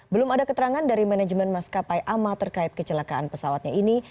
belum ada keterangan dari manajemen maskapai ama terkait kecelakaan pesawatnya ini